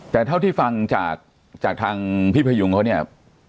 แต่เท่าที่ฟังจากทางพี่พยุงเขาเนี่ย